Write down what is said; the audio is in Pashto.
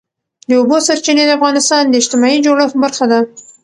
د اوبو سرچینې د افغانستان د اجتماعي جوړښت برخه ده.